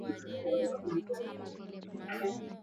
Wape mbwa dawa za minyoo mara kwa mara